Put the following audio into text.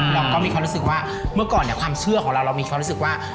เราก็มีความรู้สึกว่าเมื่อก่อนเนี่ยความเชื่อของเราเรามีความรู้สึกว่า